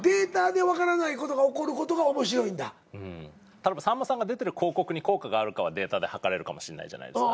例えばさんまさんが出てる広告に効果があるかはデータで測れるかもしんないじゃないですか。